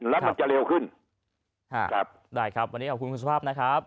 แล้วมันจะเร็วขึ้นครับได้ครับวันนี้ขอบคุณคุณสุภาพนะครับ